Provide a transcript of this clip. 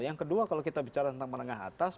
yang kedua kalau kita bicara tentang menengah atas